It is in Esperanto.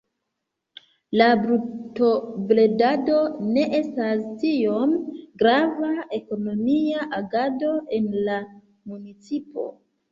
La brutobredado ne estas tiom grava ekonomia agado en la municipo.